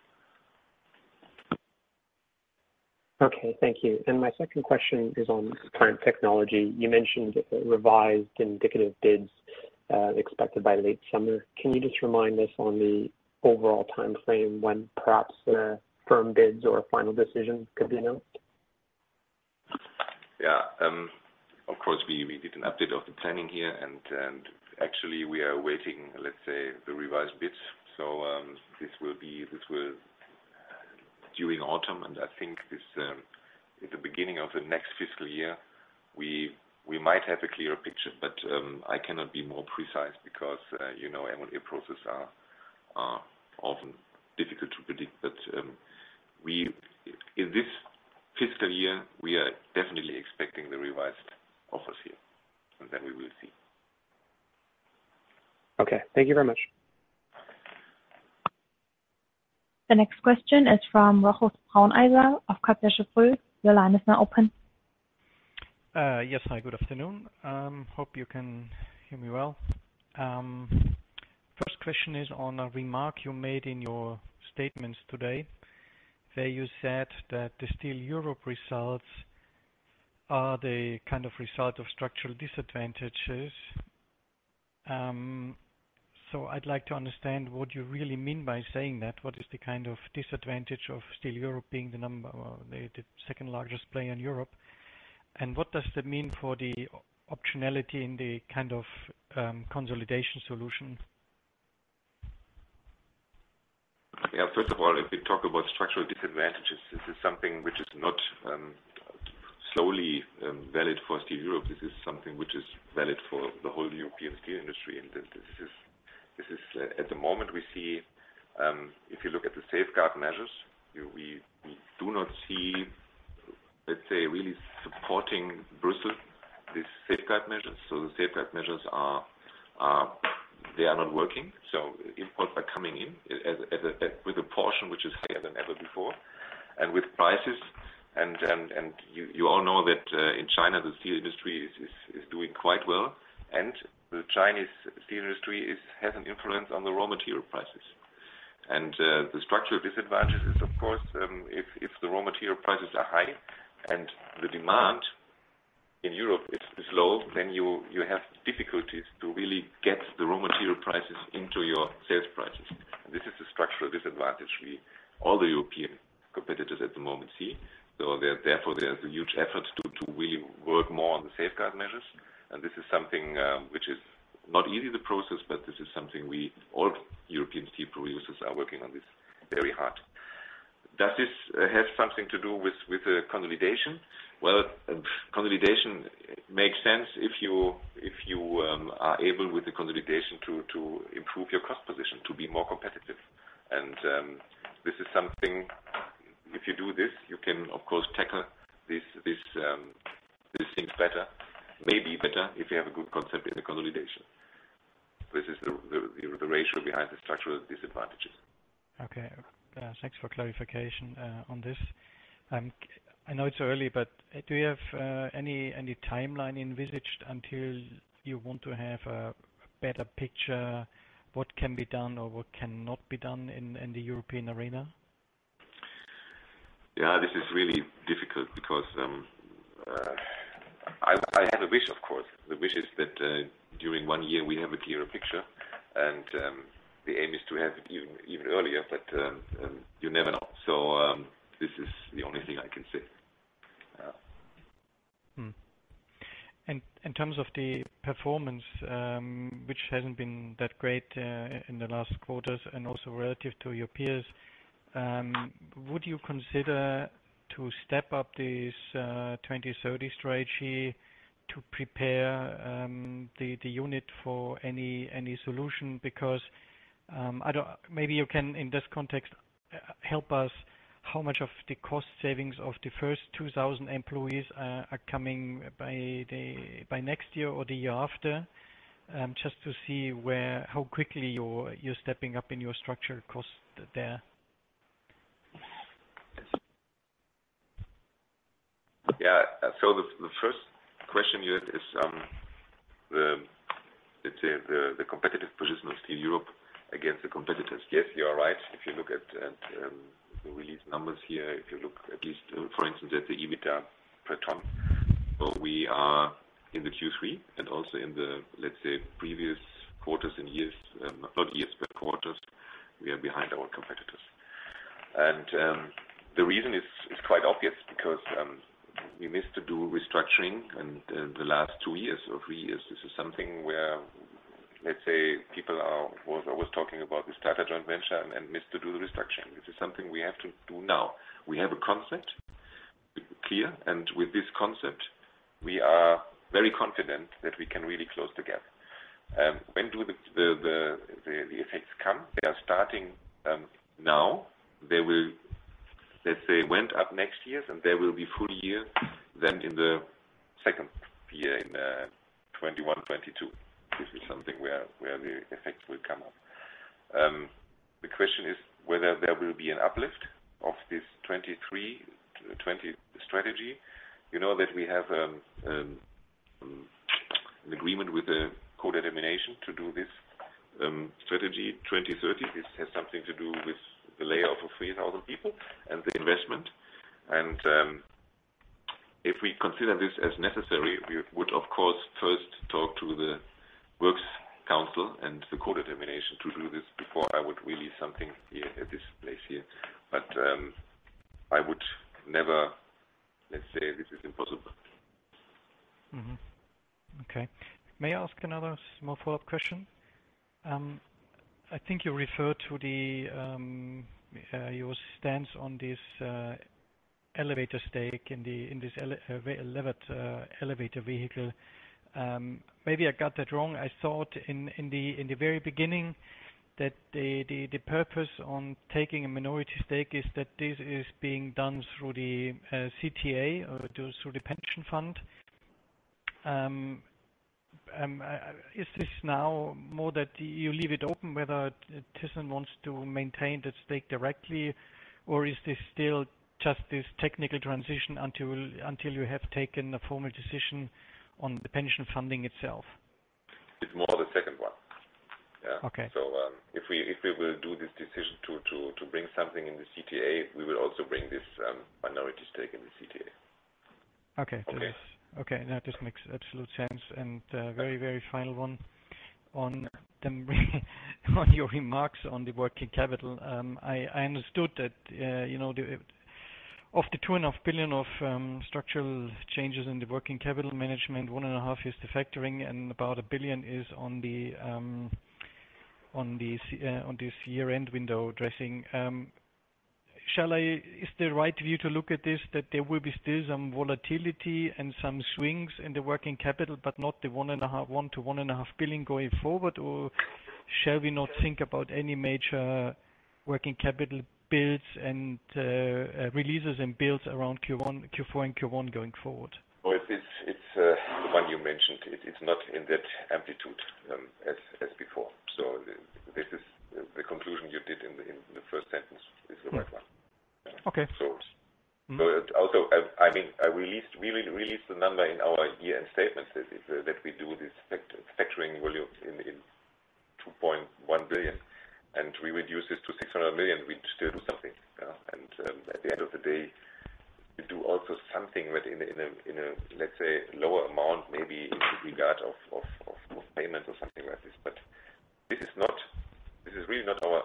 Okay. Thank you. And my second question is on Cement Technology. You mentioned revised indicative bids expected by late summer. Can you just remind us on the overall timeframe when perhaps firm bids or final decisions could be announced? Yeah. Of course, we did an update of the planning here. And actually, we are awaiting, let's say, the revised bids. So this will be during autumn. And I think at the beginning of the next fiscal year, we might have a clearer picture. But I cannot be more precise because you know our processes are difficult to predict. But in this fiscal year, we are definitely expecting the revised offers here. And then we will see. Okay. Thank you very much. The next question is from Rochus Brauneiser of Kepler Cheuvreux. Your line is now open. Yes, hi. Good afternoon. Hope you can hear me well. First question is on a remark you made in your statements today where you said that the Steel Europe results are the kind of result of structural disadvantages. So I'd like to understand what you really mean by saying that. What is the kind of disadvantage of Steel Europe being the second largest player in Europe? And what does that mean for the optionality in the kind of consolidation solution? Yeah. First of all, if we talk about structural disadvantages, this is something which is not solely valid for Steel Europe. This is something which is valid for the whole European steel industry. And this is at the moment we see, if you look at the safeguard measures, we do not see, let's say, really support in Brussels, these safeguard measures. So the safeguard measures, they are not working. So imports are coming in with a portion which is higher than ever before. And with prices. And you all know that in China, the steel industry is doing quite well. And the Chinese steel industry has an influence on the raw material prices. And the structural disadvantage is, of course, if the raw material prices are high and the demand in Europe is low, then you have difficulties to really get the raw material prices into your sales prices. And this is the structural disadvantage all the European competitors at the moment see. So therefore, there's a huge effort to really work more on the safeguard measures. And this is something which is not easy, the process, but this is something all European steel producers are working on this very hard. Does this have something to do with consolidation? Consolidation makes sense if you are able with the consolidation to improve your cost position, to be more competitive. This is something, if you do this, you can, of course, tackle these things better, maybe better if you have a good concept in the consolidation. This is the rationale behind the structural disadvantages. Okay. Thanks for clarification on this. I know it's early, but do you have any timeline envisaged until you want to have a better picture? What can be done or what cannot be done in the European arena? Yeah. This is really difficult because I have a wish, of course. The wish is that during one year, we have a clearer picture. The aim is to have it even earlier, but you never know, so this is the only thing I can say. In terms of the performance, which hasn't been that great in the last quarters and also relative to your peers, would you consider stepping up this 2030 Strategy to prepare the unit for any solution? Because maybe you can, in this context, help us how much of the cost savings of the first 2,000 employees are coming by next year or the year after, just to see how quickly you're stepping up in your structure cost there? Yeah. So the first question you had is the competitive position of Steel Europe against the competitors. Yes, you are right. If you look at the release numbers here, if you look at least, for instance, at the EBITDA per ton, we are in the Q3 and also in the, let's say, previous quarters and years, not years, but quarters, we are behind our competitors. And the reason is quite obvious because we missed to do restructuring in the last two years or three years. This is something where, let's say, people are always talking about the startup joint venture and missed to do the restructuring. This is something we have to do now. We have a concept clear. And with this concept, we are very confident that we can really close the gap. When do the effects come? They are starting now. They will, let's say, went up next year, and there will be full year then in the second year in 2021, 2022. This is something where the effects will come up. The question is whether there will be an uplift of this 2030 strategy. You know that we have an agreement with the co-determination to do this strategy. 2030, this has something to do with the layoff of 3,000 people and the investment. And if we consider this as necessary, we would, of course, first talk to the works council and the co-determination to do this before I would release something at this place here. But I would never, let's say, this is impossible. Okay. May I ask another small follow-up question? I think you referred to your stance on this elevator stake in this levered elevator vehicle. Maybe I got that wrong. I thought in the very beginning that the purpose on taking a minority stake is that this is being done through the CTA or through the pension fund. Is this now more that you leave it open whether ThyssenKrupp wants to maintain the stake directly, or is this still just this technical transition until you have taken a formal decision on the pension funding itself? It's more the second one. Yeah. So if we will do this decision to bring something in the CTA, we will also bring this minority stake in the CTA. Okay. Okay. That just makes absolute sense. And very, very final one. On your remarks on the working capital, I understood that of the 2.5 billion of structural changes in the working capital management, 1.5 billion is the factoring, and about 1 billion is on the year-end window dressing. Is the right view to look at this that there will be still some volatility and some swings in the working capital, but not the 1-1.5 billion going forward? Or shall we not think about any major working capital builds and releases and builds around Q4 and Q1 going forward? Well, it's the one you mentioned. It's not in that amplitude as before. So this is the conclusion you did in the first sentence is the right one. Okay. So also, I mean, I released the number in our year-end statements that we do this factoring volume in 2.1 billion. And we reduce this to 600 million. We still do something. And at the end of the day, we do also something in a, let's say, lower amount, maybe in regard of payments or something like this. But this is really not our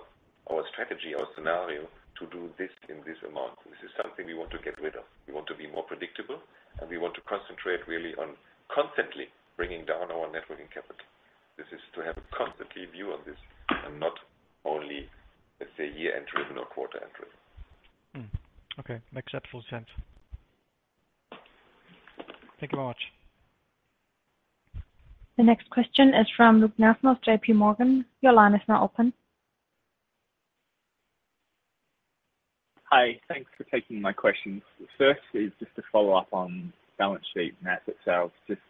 strategy, our scenario to do this in this amount. This is something we want to get rid of. We want to be more predictable, and we want to concentrate really on constantly bringing down our net working capital. This is to have a constant view on this and not only, let's say, year-end driven or quarter-end driven. Okay. Makes absolute sense. Thank you very much. The next question is from Luke Nelson of J.P. Morgan. Your line is now open. Hi. Thanks for taking my questions. First is just to follow up on balance sheet and asset sales. Just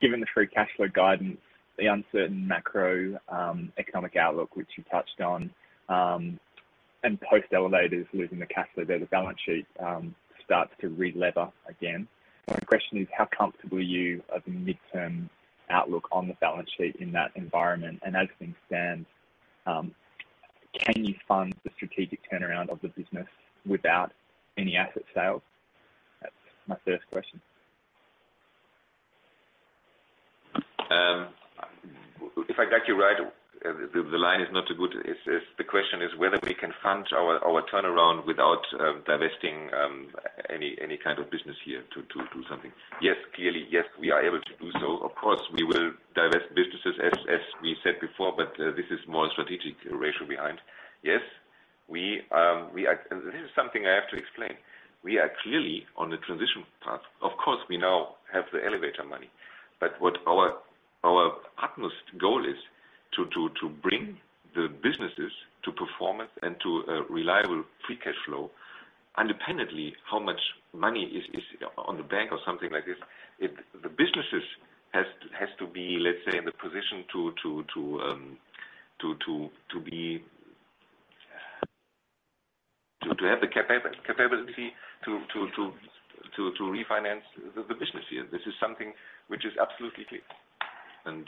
given the free cash flow guidance, the uncertain macroeconomic outlook which you touched on, and post-elevators losing the cash flow, the balance sheet starts to re-lever again. My question is, how comfortable are you of the midterm outlook on the balance sheet in that environment? And as things stand, can you fund the strategic turnaround of the business without any asset sales? That's my first question. If I got you right, the line is not too good. The question is whether we can fund our turnaround without divesting any kind of business here to do something. Yes, clearly, yes, we are able to do so. Of course, we will divest businesses, as we said before, but this is more strategic ratio behind. Yes, this is something I have to explain. We are clearly on the transition path. Of course, we now have the elevator money. But what our partner's goal is to bring the businesses to performance and to a reliable free cash flow, independently how much money is on the bank or something like this, the businesses has to be, let's say, in the position to have the capability to refinance the business here. This is something which is absolutely clear. And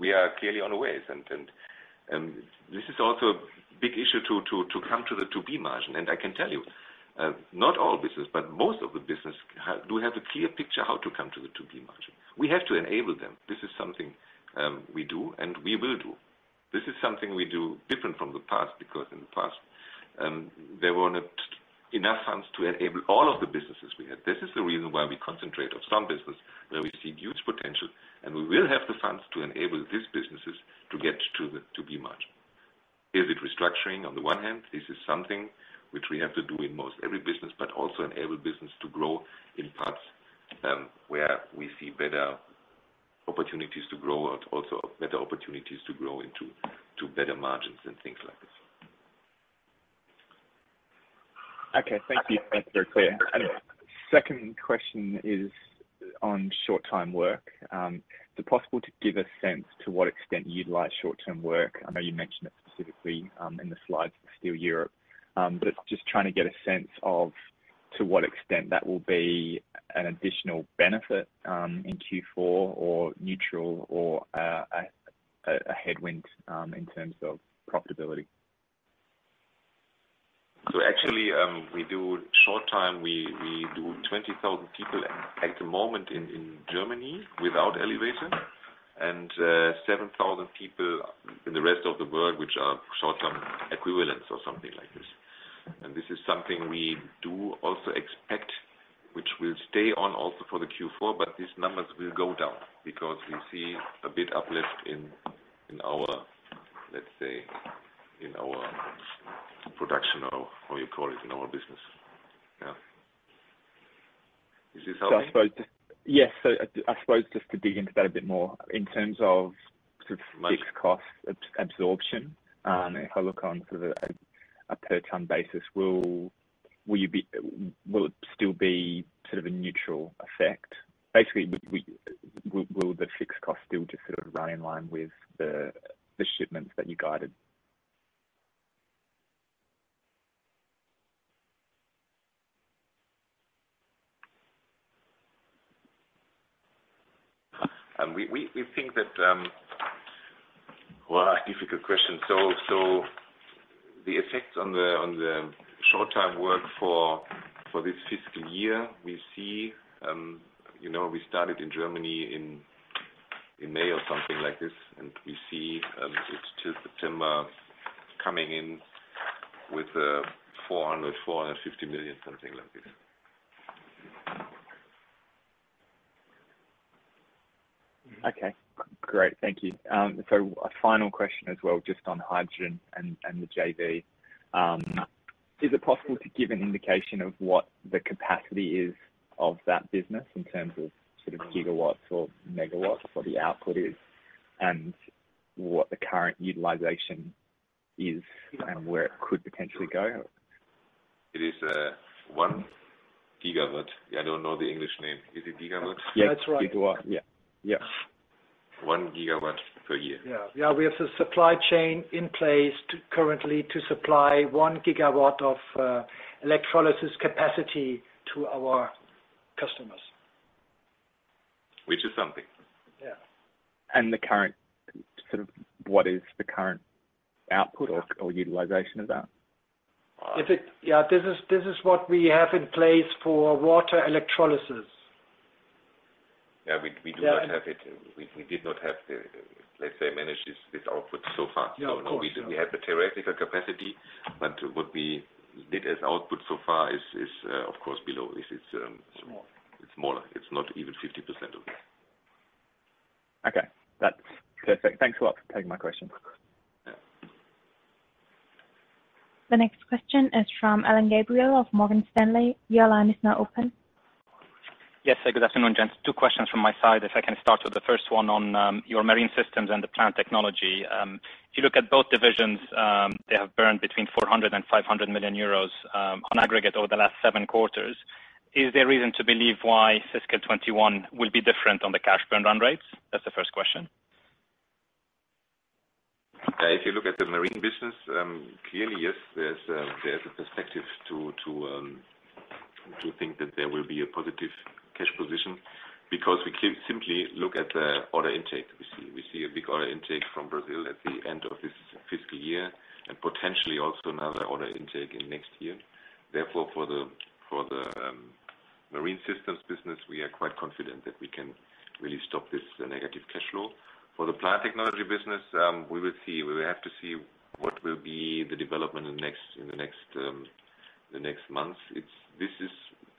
we are clearly on the way. This is also a big issue to come to the 2% margin. I can tell you, not all businesses, but most of the businesses do have a clear picture how to come to the 2% margin. We have to enable them. This is something we do and we will do. This is something we do different from the past because in the past, there were not enough funds to enable all of the businesses we had. This is the reason why we concentrate on some businesses where we see huge potential, and we will have the funds to enable these businesses to get to the 2% margin. Is it restructuring on the one hand? This is something which we have to do in most every business, but also enable business to grow in parts where we see better opportunities to grow, but also better opportunities to grow into better margins and things like this. Okay. Thank you. That's very clear. Second question is on short-term work. Is it possible to give a sense to what extent you utilize short-term work? I know you mentioned it specifically in the slides for Steel Europe. But just trying to get a sense of to what extent that will be an additional benefit in Q4 or neutral or a headwind in terms of profitability. So actually, we do short-term work. We do 20,000 people at the moment in Germany without elevators and 7,000 people in the rest of the world which are short-term equivalents or something like this. This is something we do also expect which will stay on also for the Q4, but these numbers will go down because we see a big uplift in our, let's say, in our production or how you call it in our business. Yeah. Is this helping? Yes. So I suppose just to dig into that a bit more in terms of fixed cost absorption, if I look on sort of a per-ton basis, will it still be sort of a neutral effect? Basically, will the fixed cost still just sort of run in line with the shipments that you guided? We think that, well, difficult question. So the effects on the short-term work for this fiscal year, we see we started in Germany in May or something like this, and we see it's till September coming in with 400-450 million, something like this. Okay. Great. Thank you. So a final question as well just on hydrogen and the JV. Is it possible to give an indication of what the capacity is of that business in terms of sort of gigawatts or megawatts, what the output is and what the current utilization is and where it could potentially go? It is one gigawatt. I don't know the English name. Is it gigawatt? Yeah, that's right. One gigawatt per year. We have a supply chain in place currently to supply one gigawatt of electrolysis capacity to our customers. Which is something. And the current sort of what is the current output or utilization of that? This is what we have in place for water electrolysis. We do not have it. We did not have, let's say, manage this output so far. So we have the theoretical capacity, but what we did as output so far is, of course, below. It's small. It's not even 50% of it. Okay. That's perfect. Thanks a lot for taking my question. The next question is from Alain Gabriel of Morgan Stanley. Your line is now open. Yes. Good afternoon, gents. Two questions from my side. If I can start with the first one on your Marine Systems and the Plant Technology. If you look at both divisions, they have burned between 400 million euros and 500 million euros on aggregate over the last seven quarters. Is there reason to believe why fiscal 21 will be different on the cash burn run rates? That's the first question. Okay. If you look at the marine business, clearly, yes, there's a perspective to think that there will be a positive cash position because we simply look at the order intake. We see a big order intake from Brazil at the end of this fiscal year and potentially also another order intake in next year. Therefore, for the marine systems business, we are quite confident that we can really stop this negative cash flow. For the plant technology business, we will have to see what will be the development in the next months. This is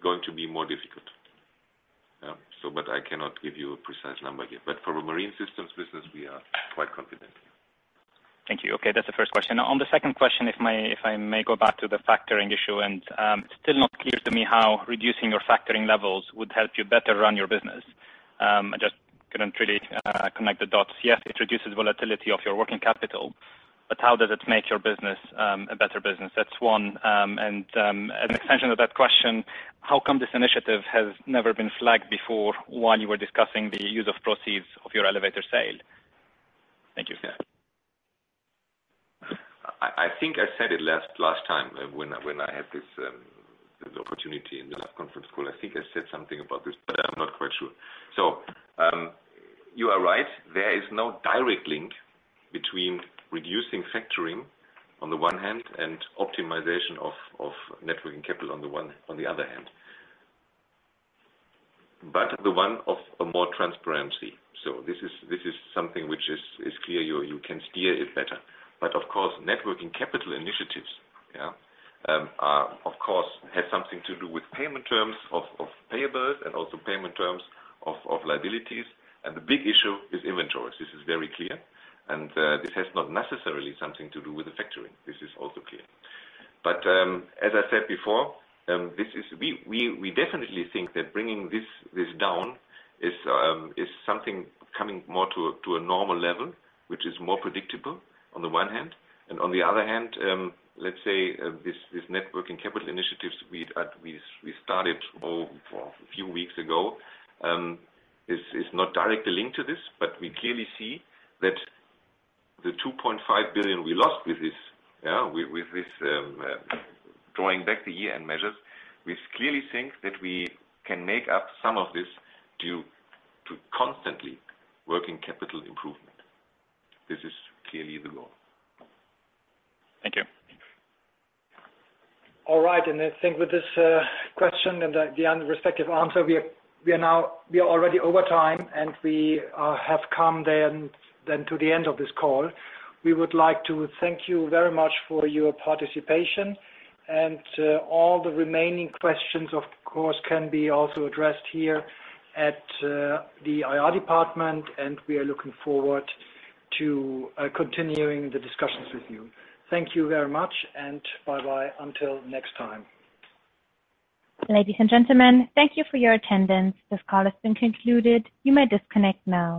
going to be more difficult, but I cannot give you a precise number here, but for the marine systems business, we are quite confident. Thank you. Okay. That's the first question. On the second question, if I may go back to the factoring issue, and it's still not clear to me how reducing your factoring levels would help you better run your business. I just couldn't really connect the dots. Yes, it reduces the volatility of your working capital, but how does it make your business a better business? That's one, and an extension of that question, how come this initiative has never been flagged before while you were discussing the use of proceeds of your elevator sale? Thank you. I think I said it last time when I had this opportunity in the conference call. I think I said something about this, but I'm not quite sure. So you are right. There is no direct link between reducing factoring on the one hand and optimization of net working capital on the other hand. But the one of more transparency. So this is something which is clear. You can steer it better. But of course, net working capital initiatives, yeah, of course, have something to do with payment terms of payables and also payment terms of liabilities. The big issue is inventories. This is very clear. This has not necessarily something to do with the factoring. This is also clear. But as I said before, we definitely think that bringing this down is something coming more to a normal level, which is more predictable on the one hand. On the other hand, let's say this net working capital initiatives we started a few weeks ago is not directly linked to this, but we clearly see that the 2.5 billion we lost with this drawing back the year-end measures, we clearly think that we can make up some of this due to constantly working capital improvement. This is clearly the goal. Thank you. All right. I think with this question and the respective answer, we are already over time, and we have come then to the end of this call. We would like to thank you very much for your participation, and all the remaining questions, of course, can be also addressed here at the IR department, and we are looking forward to continuing the discussions with you. Thank you very much, and bye-bye until next time. Ladies and gentlemen, thank you for your attendance. This call has been concluded. You may disconnect now.